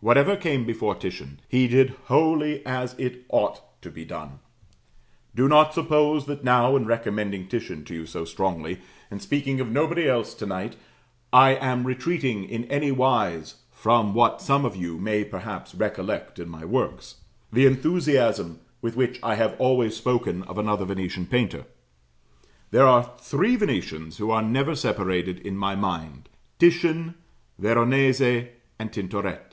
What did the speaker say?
Whatever came before Titian, he did wholly as it ought to be done. Do not suppose that now in recommending Titian to you so strongly, and speaking of nobody else to night, I am retreating in anywise from what some of you may perhaps recollect in my works, the enthusiasm with which I have always spoken of another Venetian painter. There are three Venetians who are never separated in my mind Titian, Veronese, and Tintoret.